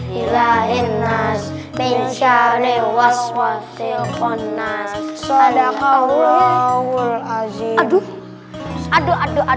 pulang ramadan biar segera ketemu ibu saya ya amin ya udah kalau gitu saya mau pamit dulu ada